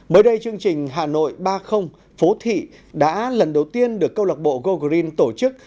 mới đây chương trình hà nội ba phố thị đã lần đầu tiên được câu lạc bộ gogreen tổ chức